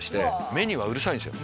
目にはうるさいんですよ。